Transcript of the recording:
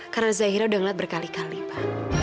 karena zahira udah ngeliat berkali kali pa